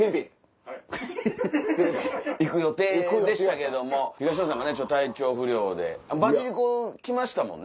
フフフ行く予定でしたけども東野さんがね体調不良で。ばじりこ来ましたもんね。